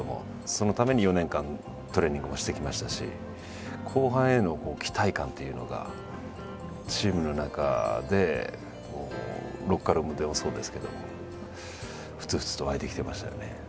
そのために４年間トレーニングもしてきましたし後半への期待感というのがチームの中でロッカールームでもそうですけどもふつふつと湧いてきてましたよね。